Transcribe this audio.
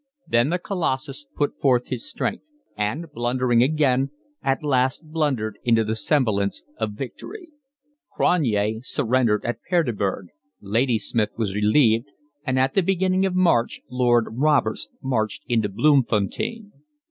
Then the colossus put forth his strength, and, blundering again, at last blundered into the semblance of victory. Cronje surrendered at Paardeberg, Ladysmith was relieved, and at the beginning of March Lord Roberts marched into Bloemfontein.